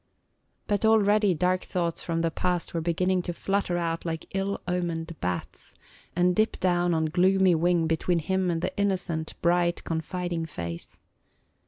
But already dark thoughts from the past were beginning to flutter out like ill omened bats, and dip down on gloomy wing between him and the innocent, bright, confiding face.